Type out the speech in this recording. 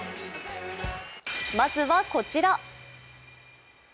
まずはこちら。